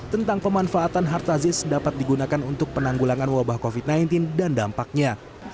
tentang pemanfaatan hartazis dapat digunakan untuk penanggulangan wabah covid sembilan belas dan dampaknya